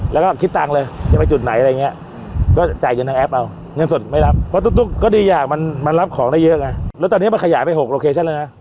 แล้วไม่ใช่เราไปโบกเรียกเลย